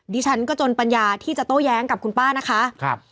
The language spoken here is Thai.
ดิฉันก็จนปัญญาที่จะโต้แย้งกับคุณป้านะคะครับ